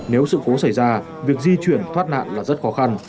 nếu sự cố xảy ra việc di chuyển thoát nạn là rất khó khăn